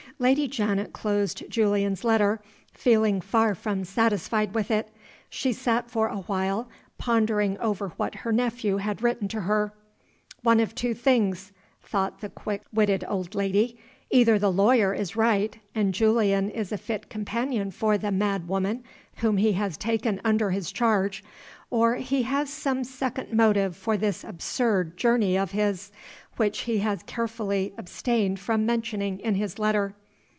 Lady Janet closed Julian's letter, feeling far from satisfied with it. She sat for a while, pondering over what her nephew had written to her. "One of two things," thought the quick witted old lady. "Either the lawyer is right, and Julian is a fit companion for the madwoman whom he has taken under his charge, or he has some second motive for this absurd journey of his which he has carefully abstained from mentioning in his letter.